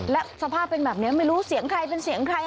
และสภาพเป็นแบบนี้ไม่รู้เสียงใครเป็นเสียงใคร